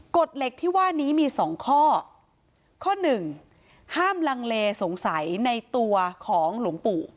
กฎเหล็กที่ว่านี้มีสองข้อข้อหนึ่งห้ามลังเลสงสัยในตัวของหลวงปู่